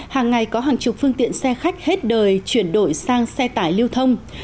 hàng ngày có hàng chục phương tiện xe khách hết đời chuyển đổi sang xe tải lưu thông